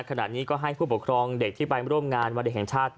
ขณะนี้ก็ให้ผู้ปกครองเด็กที่ไปร่วมงานวันเด็กแห่งชาติ